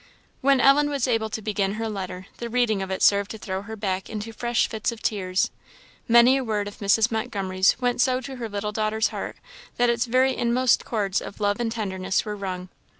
When Ellen was able to begin her letter, the reading of it served to throw her back into fresh fits of tears. Many a word of Mrs. Montgomery's went so to her little daughter's heart, that its very inmost cords of love and tenderness were wrung.